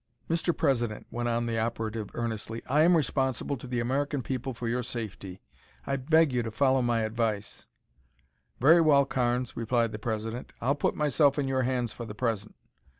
"Mr. President," went on the operative earnestly, "I am responsible to the American people for your safety. I beg you to follow my advice." "Very well, Carnes," replied the President, "I'll put myself in your hands for the present.